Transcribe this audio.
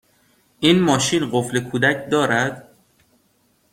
این ماشین قفل کودک دارد؟